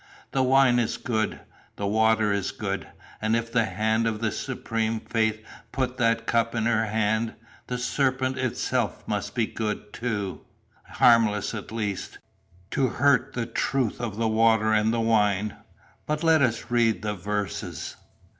The wine is good, the water is good; and if the hand of the supreme Fate put that cup in her hand, the serpent itself must be good too, harmless, at least, to hurt the truth of the water and the wine. But let us read the verses.